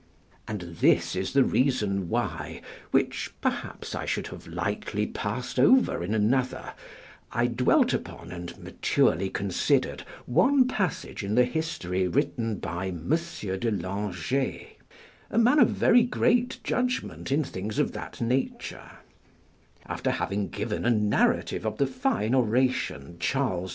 And this is the reason why (which perhaps I should have lightly passed over in another) I dwelt upon and maturely considered one passage in the history written by Monsieur de Langey, a man of very great judgment in things of that nature: after having given a narrative of the fine oration Charles V.